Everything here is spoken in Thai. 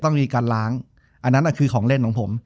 ต้องมีการล้างอันนั้นคือของเล่นของผม